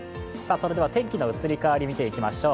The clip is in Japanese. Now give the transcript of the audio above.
それでは、天気の移り変わりを見ていきましょう。